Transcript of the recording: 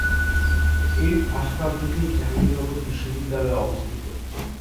এই ভাস্কর্যটি জাহাঙ্গীরনগর বিশ্ববিদ্যালয়ে অবস্থিত।